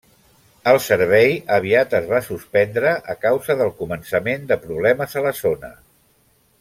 El servei aviat es va suspendre a causa del començament de problemes a la zona.